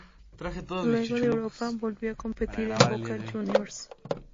Luego de Europa, volvió a competir en Boca Juniors.